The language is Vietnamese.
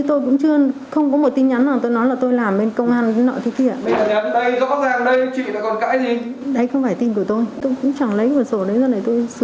đấy không phải tin của tôi tôi cũng chẳng lấy một sổ đấy do này tôi sử dụng vào mục đích khắc kèm mục đích gì cả